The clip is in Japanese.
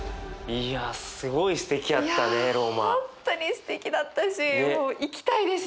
いや本当にすてきだったしもう行きたいです